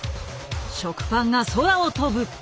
食パンが空を跳ぶ。